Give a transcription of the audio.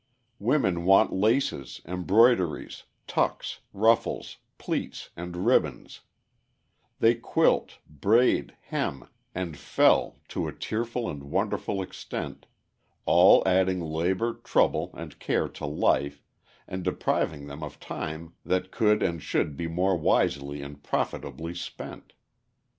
Women want laces, embroideries, tucks, ruffles, pleats, and ribbons; they quilt, braid, hem, and fell to a fearful and wonderful extent, all adding labor, trouble, and care to life, and depriving them of time that could and should be more wisely and profitably spent.